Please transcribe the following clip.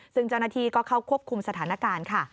ซึ่งเจ้าหน้าที่ก็เข้าควบคุมสถานการณ์ค่ะ